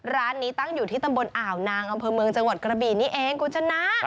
ร้านนี้ตั้งอยู่ที่ตำบลอ่าวนางอำเภอเมืองจังหวัดกระบีนี่เองคุณชนะ